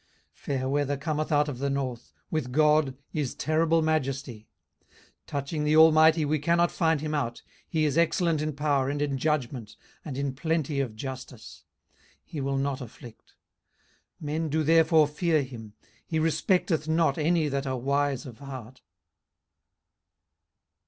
18:037:022 Fair weather cometh out of the north: with God is terrible majesty. 18:037:023 Touching the Almighty, we cannot find him out: he is excellent in power, and in judgment, and in plenty of justice: he will not afflict. 18:037:024 Men do therefore fear him: he respecteth not any that are wise of heart.